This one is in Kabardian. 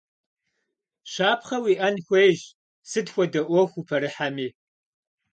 Щапхъэ уиIэн хуейщ сыт хуэдэ Iуэху упэрыхьэми.